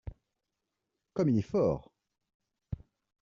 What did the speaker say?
Comme il est fort !